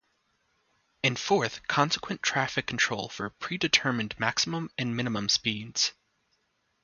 And fourth, consequent traffic control for predetermined maximum and minimum speeds.